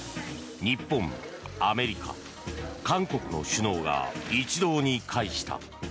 日本、アメリカ、韓国の首脳が一堂に会した。